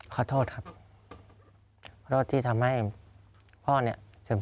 ขอโทษครับขอโทษที่ทำให้พ่อเนี้ย